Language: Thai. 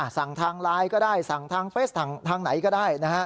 สั่งทางไลน์ก็ได้สั่งทางเฟสทางไหนก็ได้